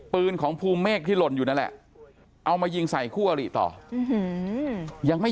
ปืนของภูเมฆที่หล่นอยู่นั่นแหละเอามายิงใส่คู่อริต่อยังไม่